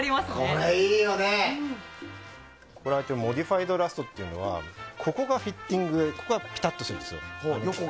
一応、モディファイドラストというのはここがフィッティングで横はピタッとするんですよ。